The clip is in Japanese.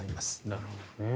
なるほどね。